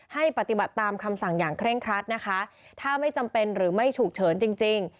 ให้ปฏิบัติตามคำสั่งอย่างเคร่งครัดนะคะถ้าไม่จำเป็นหรือไม่ฉุกเฉินจริงจริง